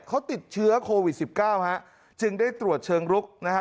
เขาติดเชื้อโควิดสิบเก้าฮะจึงได้ตรวจเชิงลุกนะฮะ